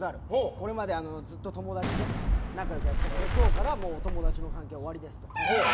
これまでずっと友達で仲良くやってたけど今日からはお友達の関係は終わりですと。